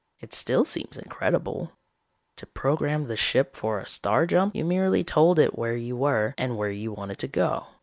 "It still seems incredible. To program the ship for a star jump, you merely told it where you were and where you wanted to go.